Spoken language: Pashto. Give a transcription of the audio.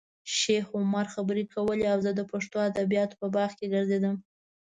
شیخ عمر خبرې کولې او زه د پښتو ادبیاتو په باغ کې ګرځېدم.